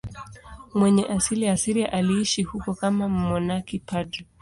Mwenye asili ya Syria, aliishi huko kama mmonaki padri.